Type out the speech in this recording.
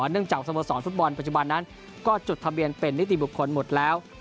เนื่องจากสโมสรฟุตบอลปัจจุบันนั้นก็จดทะเบียนเป็นนิติบุคคลหมดแล้ว